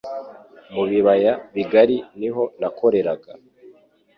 mu Biyaga Bigari niho nakoreraga